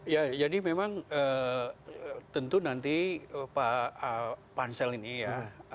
ya jadi memang tentu nanti pak pansel ini ya